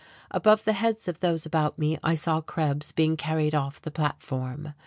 Above the heads of those about me I saw Krebs being carried off the platform....